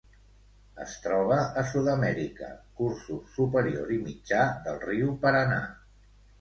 Es troba a Sud-amèrica: cursos superior i mitjà del riu Paranà.